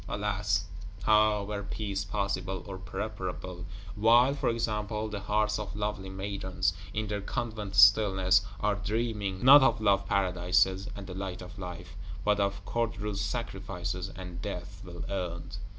Alas, how were peace possible or preparable, while for example, the hearts of lovely Maidens, in their convent stillness, are dreaming not of Love paradises and the light of Life, but of Codrus's sacrifices and Death well earned?